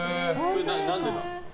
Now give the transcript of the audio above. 何でなんですか？